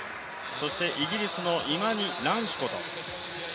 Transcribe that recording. そしてイギリスのイマニ・ランシコト。